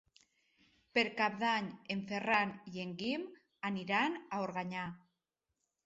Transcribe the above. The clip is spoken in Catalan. Per Cap d'Any en Ferran i en Guim aniran a Organyà.